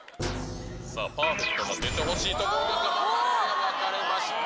パーフェクトも出てほしいところですが、分かれました。